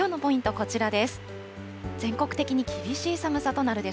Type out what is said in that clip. こちらです。